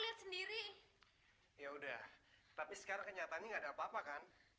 berarti orang orang disana